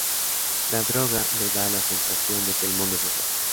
La droga le da la sensación de que el mundo es mejor.